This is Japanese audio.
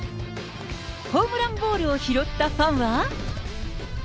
ホームランボールを拾ったファンは。